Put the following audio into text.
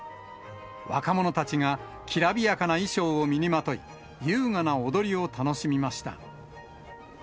若者たちがきらびやかな衣装を身にまとい、優雅な踊りを楽しみました。